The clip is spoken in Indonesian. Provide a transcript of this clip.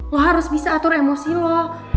lo harus bisa atur emosi lo